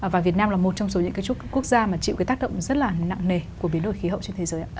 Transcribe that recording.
và việt nam là một trong số những cái quốc gia mà chịu cái tác động rất là nặng nề của biến đổi khí hậu trên thế giới ạ